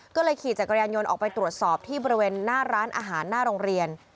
ก็เลยขี่จักรยานยนต์ออกไปตรวจสอบที่บริเวณหน้าร้านอาหารหน้าโรงเรียน